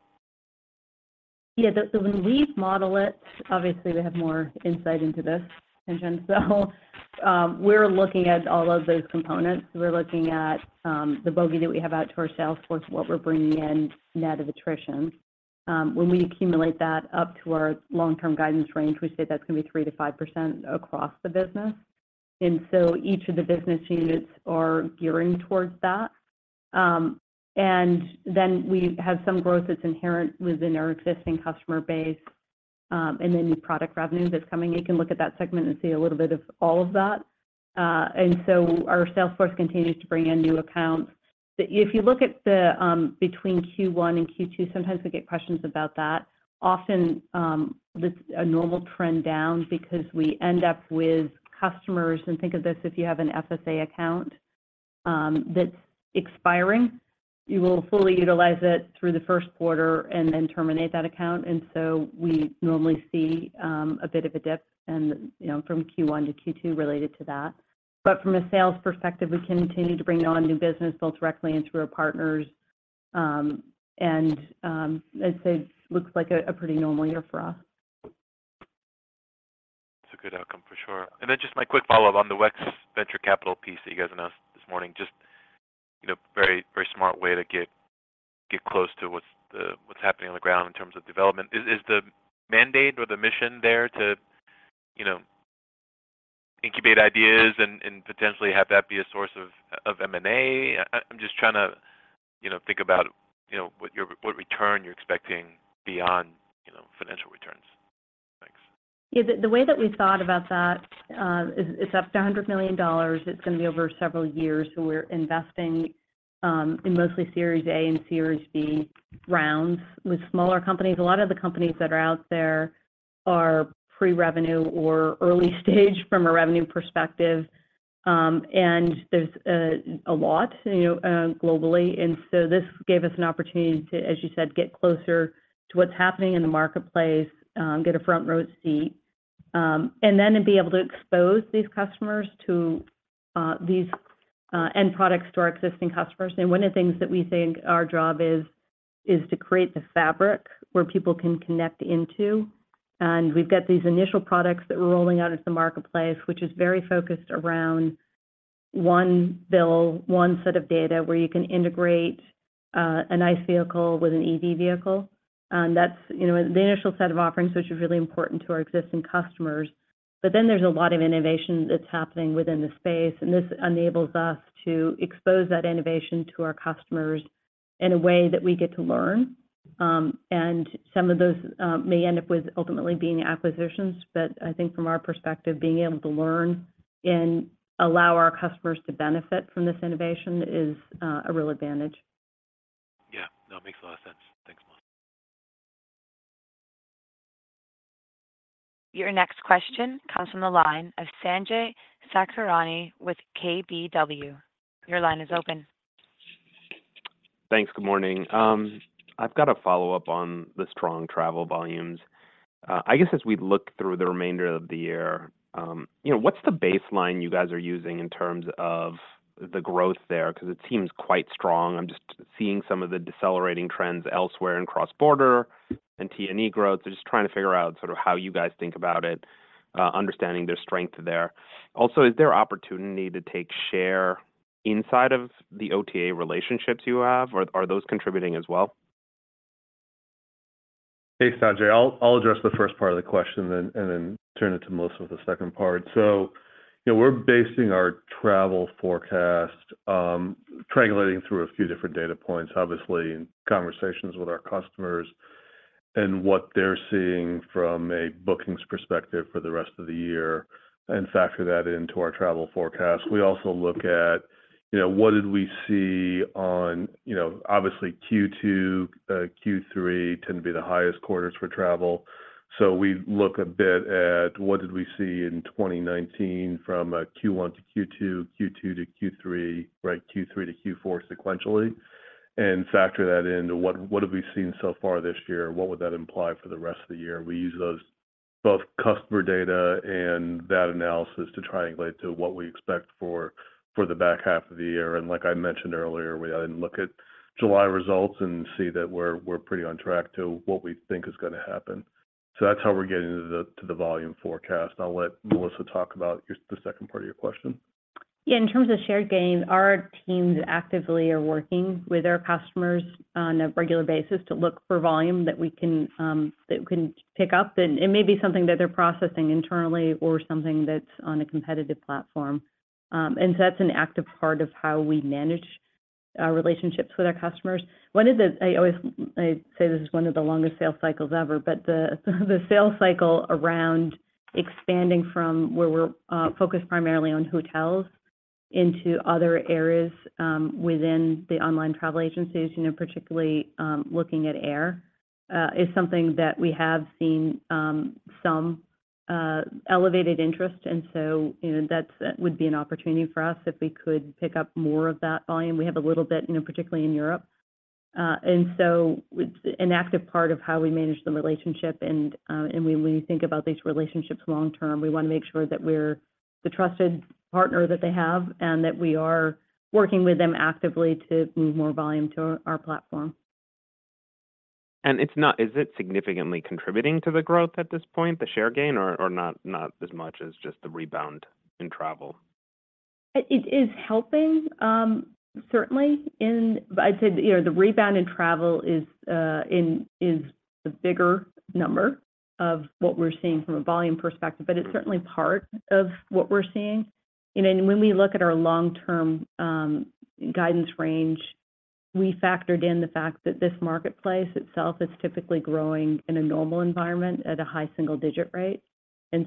Yeah, when we model it, obviously we have more insight into this than Jin does. We're looking at all of those components. We're looking at the bogey that we have out to our sales force, what we're bringing in net of attrition. When we accumulate that up to our long-term guidance range, we say that's going to be 3%-5% across the business. Each of the business units are gearing towards that. We have some growth that's inherent within our existing customer base, new product revenue that's coming. You can look at that segment and see a little bit of all of that. Our sales force continues to bring in new accounts. If you look at the between Q1 and Q2, sometimes we get questions about that. Often, this a normal trend down because we end up with customers, and think of this, if you have an FSA account, that's expiring, you will fully utilize it through the first quarter and then terminate that account. We normally see a bit of a dip and, you know, from Q1 to Q2 related to that. From a sales perspective, we continue to bring on new business, both directly and through our partners. I'd say it looks like a pretty normal year for us. It's a good outcome for sure. Just my quick follow-up on the WEX Venture Capital piece that you guys announced this morning. Just, you know, very, very smart way to get close to what's happening on the ground in terms of development. Is the mandate or the mission there to, you know, incubate ideas and potentially have that be a source of M&A? I'm just trying to, you know, think about, you know, what return you're expecting beyond, you know, financial returns. Thanks. Yeah, the way that we thought about that is it's up to $100 million. It's going to be over several years, so we're investing in mostly Series A and Series B rounds with smaller companies. A lot of the companies that are out there are pre-revenue or early stage from a revenue perspective, and there's a lot, you know, globally. This gave us an opportunity to, as you said, get closer to what's happening in the marketplace, get a front row seat, and then to be able to expose these customers to these end products to our existing customers. One of the things that we think our job is, is to create the fabric where people can connect into. We've got these initial products that we're rolling out into the marketplace, which is very focused around one bill, one set of data, where you can integrate an ICE vehicle with an EV vehicle. That's, you know, the initial set of offerings, which is really important to our existing customers. There's a lot of innovation that's happening within the space, and this enables us to expose that innovation to our customers in a way that we get to learn. Some of those may end up with ultimately being acquisitions, but I think from our perspective, being able to learn and allow our customers to benefit from this innovation is a real advantage. Yeah, that makes a lot of sense. Thanks a lot. Your next question comes from the line of Sanjay Sakhrani with KBW. Your line is open. Thanks. Good morning. I've got a follow-up on the strong travel volumes. I guess as we look through the remainder of the year, you know, what's the baseline you guys are using in terms of the growth there? Because it seems quite strong. I'm just seeing some of the decelerating trends elsewhere in cross-border and T&E growth. So just trying to figure out sort of how you guys think about it, understanding the strength there. Also, is there opportunity to take share inside of the OTA relationships you have, or are those contributing as well? Thanks, Sanjay. I'll address the first part of the question and then turn it to Melissa for the second part. You know, we're basing our travel forecast, triangulating through a few different data points, obviously, in conversations with our customers and what they're seeing from a bookings perspective for the rest of the year, and factor that into our travel forecast. We also look at, you know, what did we see on, you know, obviously, Q2, Q3 tend to be the highest quarters for travel. We look a bit at what did we see in 2019 from Q1 to Q2, Q2 to Q3, right? Q3 to Q4 sequentially, and factor that into what have we seen so far this year, and what would that imply for the rest of the year? We use those, both customer data and that analysis to triangulate to what we expect for, for the back half of the year. like I mentioned earlier, we then look at July results and see that we're pretty on track to what we think is gonna happen. That's how we're getting to the volume forecast. I'll let Melissa talk about the second part of your question. In terms of shared gains, our teams actively are working with our customers on a regular basis to look for volume that we can that we can pick up. It may be something that they're processing internally or something that's on a competitive platform. That's an active part of how we manage relationships with our customers. One is that I say this is one of the longest sales cycles ever, but the sales cycle around expanding from where we're focused primarily on hotels into other areas within the online travel agencies, you know, particularly looking at air, is something that we have seen some elevated interest. You know, that's would be an opportunity for us if we could pick up more of that volume. We have a little bit, you know, particularly in Europe. It's an active part of how we manage the relationship and when we think about these relationships long term, we want to make sure that we're the trusted partner that they have, and that we are working with them actively to move more volume to our platform. Is it significantly contributing to the growth at this point, the share gain, or not as much as just the rebound in travel? It is helping, certainly, in. I'd say, you know, the rebound in travel is the bigger number of what we're seeing from a volume perspective, but it's certainly part of what we're seeing. When we look at our long-term, guidance range, we factored in the fact that this marketplace itself is typically growing in a normal environment at a high single digit rate. You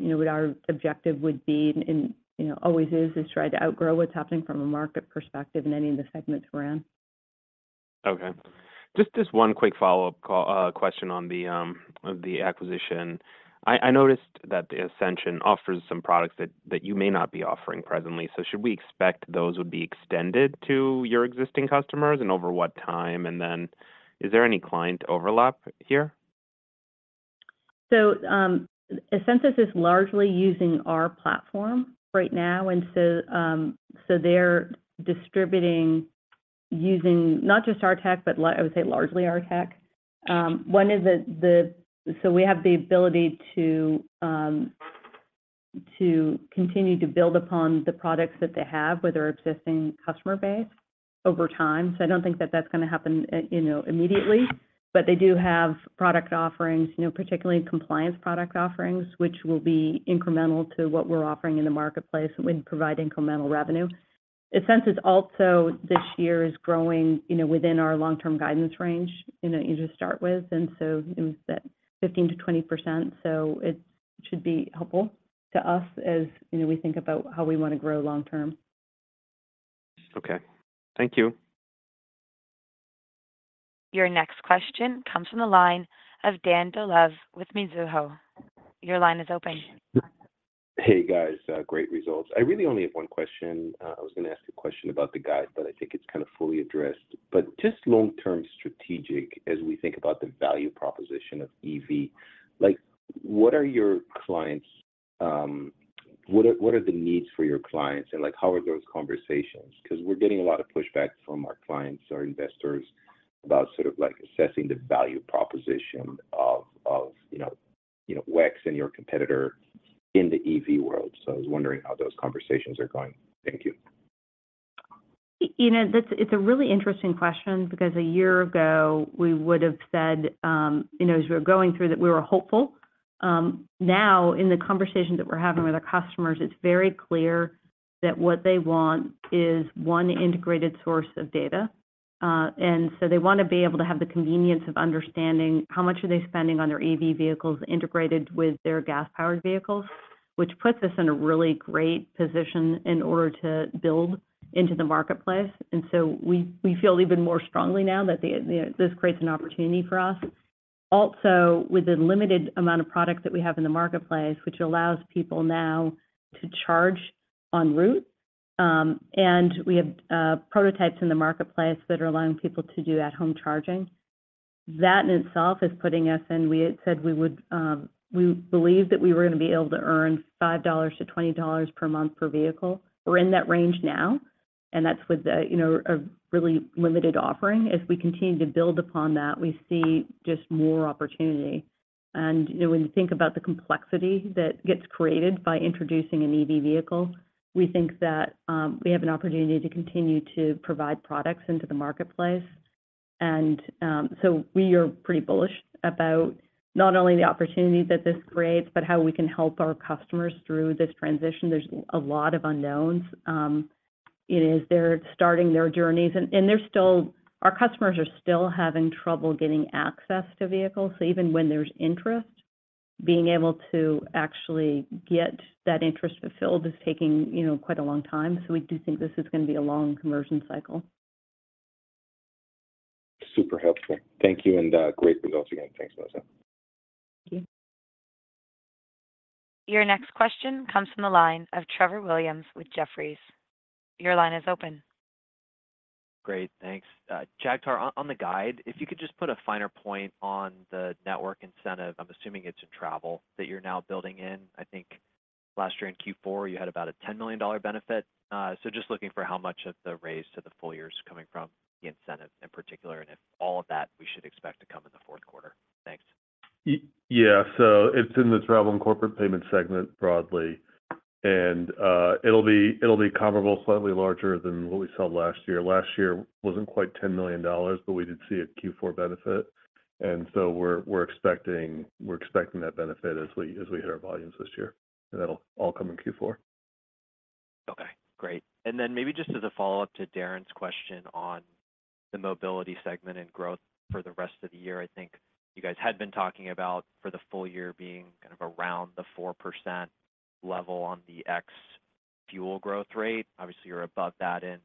know, what our objective would be, and, you know, always is, is try to outgrow what's happening from a market perspective in any of the segments we're in. Okay. Just one quick follow-up call, question on the acquisition. I noticed that the Ascensus offers some products that you may not be offering presently. Should we expect those would be extended to your existing customers, and over what time? Is there any client overlap here? Ascensus is largely using our platform right now, and so, so they're distributing, using not just our tech, but I would say largely our tech. One is the. We have the ability to continue to build upon the products that they have with their existing customer base over time. I don't think that that's gonna happen, you know, immediately, but they do have product offerings, you know, particularly compliance product offerings, which will be incremental to what we're offering in the marketplace and would provide incremental revenue. Ascensus is also, this year, is growing, you know, within our long-term guidance range, you know, you just start with. It was that 15%-20%, so it should be helpful to us, as, you know, we think about how we want to grow long term. Okay. Thank you. Your next question comes from the line of Dan Dolev with Mizuho. Your line is open. Hey, guys, great results. I really only have one question. I was gonna ask a question about the guide, but I think it's kind of fully addressed. Just long-term strategic, as we think about the value proposition of EV, like, what are your clients, what are the needs for your clients, and, like, how are those conversations? Because we're getting a lot of pushback from our clients or investors about sort of, like, assessing the value proposition of, you know, WEX and your competitor in the EV world. I was wondering how those conversations are going. Thank you. You know, it's a really interesting question, because a year ago, we would have said, you know, as we were going through that, we were hopeful. Now, in the conversations that we're having with our customers, it's very clear that what they want is one integrated source of data. They want to be able to have the convenience of understanding how much are they spending on their EV vehicles integrated with their gas-powered vehicles, which puts us in a really great position in order to build into the marketplace. We feel even more strongly now that the, you know, this creates an opportunity for us. Also, with the limited amount of product that we have in the marketplace, which allows people now to charge en route- We have prototypes in the marketplace that are allowing people to do at-home charging. That in itself, we believed that we were going to be able to earn $5-$20 per month per vehicle. We're in that range now, that's with a, you know, a really limited offering. As we continue to build upon that, we see just more opportunity. You know, when you think about the complexity that gets created by introducing an EV vehicle, we think that we have an opportunity to continue to provide products into the marketplace. We are pretty bullish about not only the opportunity that this creates, but how we can help our customers through this transition. There's a lot of unknowns. It is they're starting their journeys, and our customers are still having trouble getting access to vehicles. Even when there's interest, being able to actually get that interest fulfilled is taking, you know, quite a long time. We do think this is going to be a long conversion cycle. Super helpful. Thank you, and great results again. Thanks, Melissa. Thank you. Your next question comes from the line of Trevor Williams with Jefferies. Your line is open. Great. Thanks. Jagtar, on the guide, if you could just put a finer point on the network incentive, I'm assuming it's in travel, that you're now building in. I think last year in Q4, you had about a $10 million benefit. Just looking for how much of the raise to the full year is coming from the incentive in particular, and if all of that we should expect to come in the fourth quarter. Thanks. yeah. It's in the travel and Corporate Payments segment broadly, it'll be comparable, slightly larger than what we saw last year. Last year wasn't quite $10 million, but we did see a Q4 benefit, we're expecting that benefit as we hit our volumes this year, and that'll all come in Q4. Okay, great. Then maybe just as a follow-up to Darren's question on the Mobility segment and growth for the rest of the year. I think you guys had been talking about for the full year being kind of around the 4% level on the ex-fuel growth rate. Obviously, you're above that in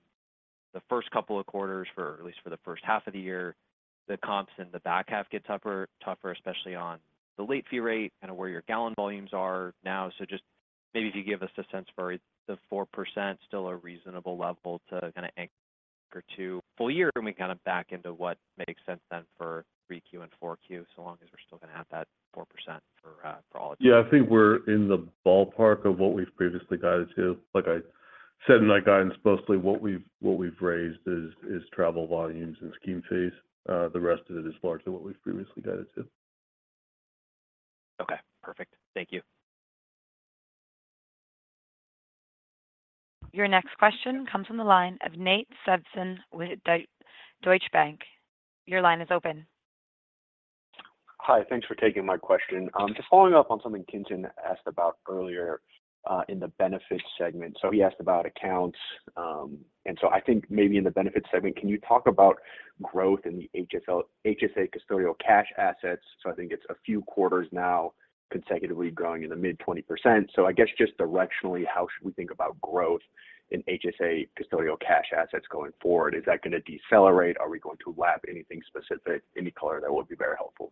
the first couple of quarters, for at least for the first half of the year. The comps in the back half get tougher, especially on the late fee rate, and where your gallon volumes are now. Just maybe if you give us a sense for the 4%, still a reasonable level to anchor two full year, and we kind of back into what makes sense then for Q3 and Q4, so long as we're still going to have that 4% for, for all of- Yeah, I think we're in the ballpark of what we've previously guided to. Like I said in that guidance, mostly what we've, what we've raised is, is travel volumes and scheme fees. The rest of it is largely what we've previously guided to. Okay, perfect. Thank you. Your next question comes from the line of Nate Svensson with Deutsche Bank. Your line is open. Hi, thanks for taking my question. Just following up on something Ken asked about earlier, in the Benefits segment. He asked about accounts, I think maybe in the Benefits segment, can you talk about growth in the HSA custodial cash assets? I think it's a few quarters now, consecutively growing in the mid-20%. I guess, just directionally, how should we think about growth in HSA custodial cash assets going forward? Is that going to decelerate? Are we going to lap anything specific, any color, that would be very helpful.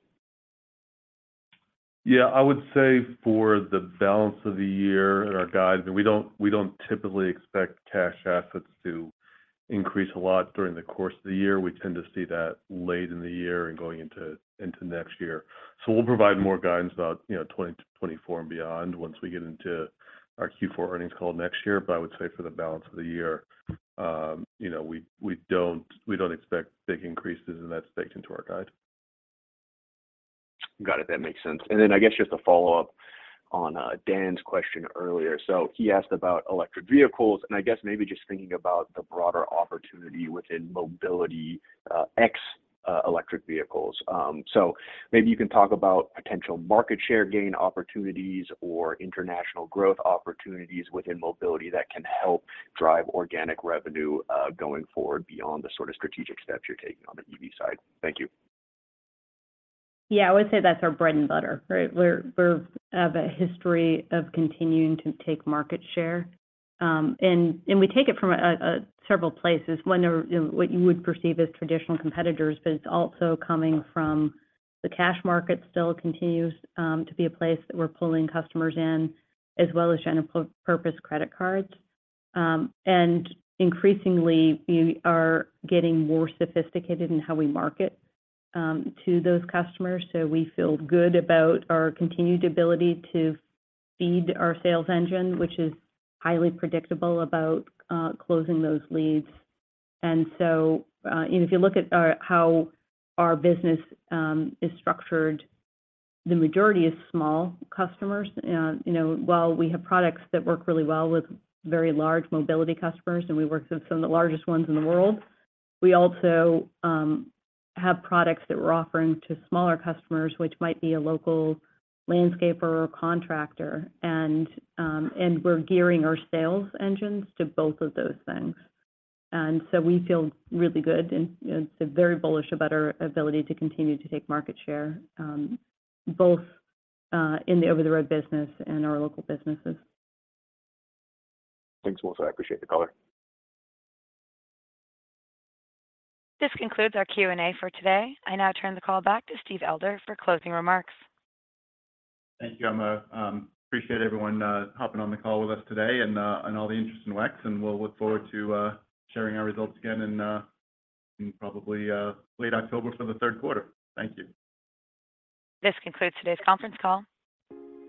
Yeah, I would say for the balance of the year in our guide, we don't typically expect cash assets to increase a lot during the course of the year. We tend to see that late in the year and going into next year. We'll provide more guidance about, you know, 2024 and beyond once we get into our Q4 earnings call next year. I would say for the balance of the year, you know, we don't expect big increases, and that's baked into our guide. Got it. That makes sense. I guess just to follow up on Dan's question earlier. He asked about electric vehicles, and I guess maybe just thinking about the broader opportunity within Mobility, ex electric vehicles. Maybe you can talk about potential market share gain opportunities or international growth opportunities within Mobility that can help drive organic revenue going forward beyond the sort of strategic steps you're taking on the EV side. Thank you. Yeah, I would say that's our bread and butter, right? We're of a history of continuing to take market share. We take it from several places, one of what you would perceive as traditional competitors, but it's also coming from the cash market still continues to be a place that we're pulling customers in, as well as general purpose credit cards. Increasingly, we are getting more sophisticated in how we market to those customers. We feel good about our continued ability to feed our sales engine, which is highly predictable about closing those leads. If you look at our, how our business is structured, the majority is small customers. You know, while we have products that work really well with very large Mobility customers, and we work with some of the largest ones in the world, we also have products that we're offering to smaller customers, which might be a local landscaper or contractor. We're gearing our sales engines to both of those things. We feel really good, and, you know, it's a very bullish about our ability to continue to take market share, both in the over-the-road business and our local businesses. Thanks, Melissa. I appreciate the color. This concludes our Q&A for today. I now turn the call back to Steve Elder for closing remarks. Thank you, Emma. Appreciate everyone hopping on the call with us today and all the interest in WEX, and we'll look forward to sharing our results again in probably late October for the third quarter. Thank you. This concludes today's conference call.